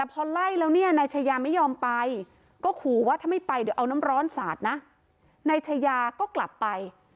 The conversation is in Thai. ก็ขอว่าถ้าไม่ไปเดี๋ยวเอาน้ำร้อนสาดนะนายชายาก็กลับไป